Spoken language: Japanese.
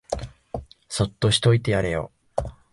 そっとしといてやれよ